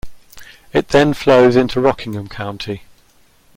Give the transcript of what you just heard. It then flows into Rockingham County.